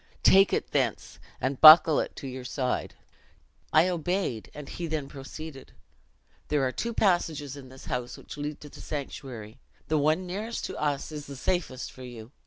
Take it thence, and buckle it to your side." "I obeyed, and he then proceeded: 'There are two passages in this house which lead to the sanctuary. The one nearest to us is the safest for you.